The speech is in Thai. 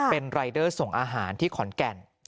เป็นรายเดอร์ส่งอาหารที่ขอนแก่น